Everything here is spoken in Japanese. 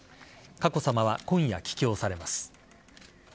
佳子さまは今夜、帰京されます。